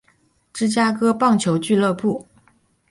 芝加哥棒球俱乐部。